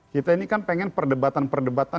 kita ini kan pengen perdebatan perdebatan